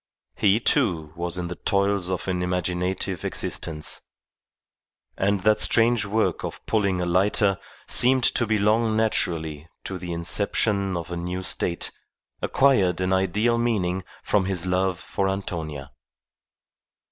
He, too, was in the toils of an imaginative existence, and that strange work of pulling a lighter seemed to belong naturally to the inception of a new state, acquired an ideal meaning from his love for Antonia.